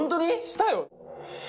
したよ。